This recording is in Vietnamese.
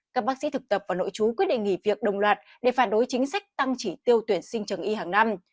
các bác sĩ thực tập và nội chú quyết định nghỉ việc đồng loạt để phản đối chính sách tăng chỉ tiêu tuyển sinh trường y hàng năm